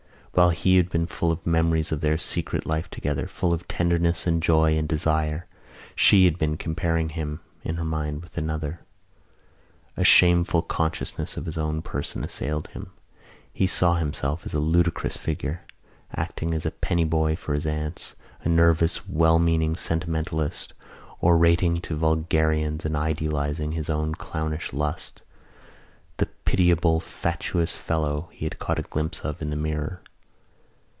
While he had been full of memories of their secret life together, full of tenderness and joy and desire, she had been comparing him in her mind with another. A shameful consciousness of his own person assailed him. He saw himself as a ludicrous figure, acting as a pennyboy for his aunts, a nervous, well meaning sentimentalist, orating to vulgarians and idealising his own clownish lusts, the pitiable fatuous fellow he had caught a glimpse of in the mirror.